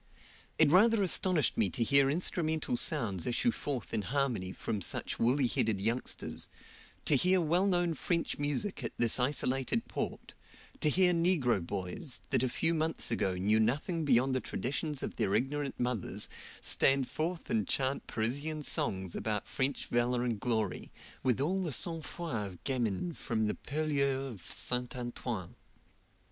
It rather astonished me to hear instrumental sounds issue forth in harmony from such woolly headed youngsters; to hear well known French music at this isolated port, to hear negro boys, that a few months ago knew nothing beyond the traditions of their ignorant mothers, stand forth and chant Parisian songs about French valor and glory, with all the sangfroid of gamins from the purlieus of Saint Antoine.